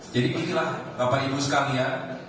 jadi inilah bapak ibu sekalian